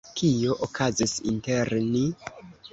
Kio okazis inter ni?